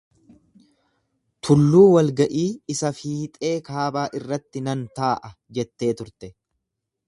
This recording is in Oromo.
Tulluu walga’ii isa fiixee kaabaa irratti nan taa’a jettee turte.